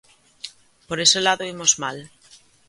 Por ese lado imos mal.